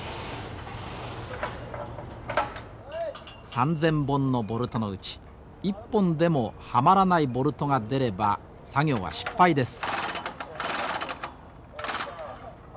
３，０００本のボルトのうち１本でもはまらないボルトが出れば作業は失敗です。